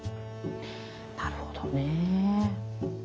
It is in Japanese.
なるほどね。